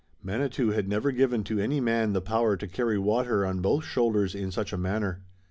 Manitou had never given to any man the power to carry water on both shoulders in such a manner.